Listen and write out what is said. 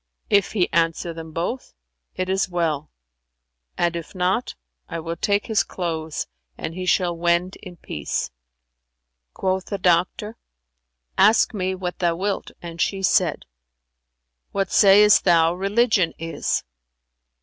If he answer them both, it is well; and if not, I will take his clothes and he shall wend in peace." Quoth the doctor, "Ask me what thou wilt," and she said, "What sayest thou religion is?"